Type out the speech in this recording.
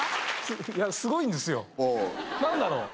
いやすごいんですよ何だろう？